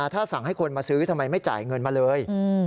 ถ้าสั่งให้คนมาซื้อทำไมไม่จ่ายเงินมาเลย